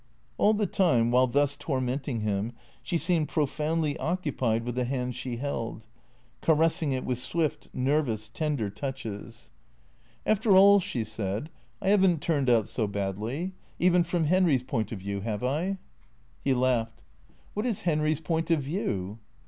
All the time, while thus tormenting him, she seemed pre foundly occupied with the hand she held, caressing it with swift, nervous, tender touches. 294 THE CREA TOES " After all," she said, " I have n't turned out so badly ; even from Henry's point of view, have I ?" He laughed. " What is Henry's point of view